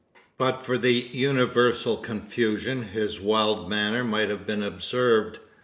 But for the universal confusion, his wild manner might have been observed.